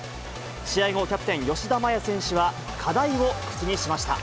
試合後、キャプテン、吉田麻也選手は、課題を口にしました。